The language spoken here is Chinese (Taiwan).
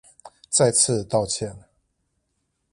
再次道歉